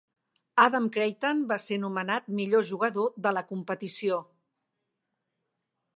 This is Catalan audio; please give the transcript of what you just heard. Adam Creighton va ser nomenat millor jugador de la competició.